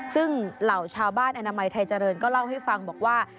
ซึ่งเหล่าชาวบ้านอนามัยไทยเจริญก็เล่าให้ฟังบอกว่า